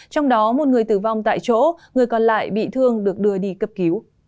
trong đó một người tử vong tại chỗ người còn lại bị thương được đưa đi cấp cứu